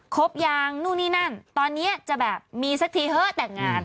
ครบยังนู่นนี่นั่นตอนนี้จะแบบมีสักทีเถอะแต่งงาน